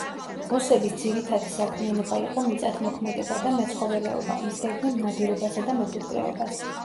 ოსების ძირითადი საქმიანობა იყო მიწათმოქმედება და მეცხოველეობა, მისდევდნენ ნადირობასა და მეფუტკრეობას.